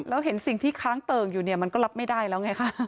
แล้วเห็นสิ่งที่ค้างเติ่งอยู่เนี่ยมันก็รับไม่ได้แล้วไงคะ